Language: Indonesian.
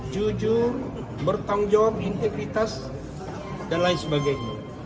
jujur bertanggung jawab integritas dan lain sebagainya